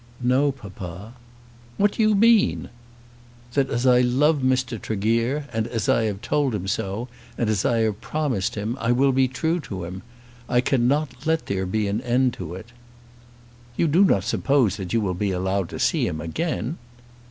"No, papa." "What do you mean?" "That as I love Mr. Tregear, and as I have told him so, and as I have promised him, I will be true to him. I cannot let there be an end to it." "You do not suppose that you will be allowed to see him again?"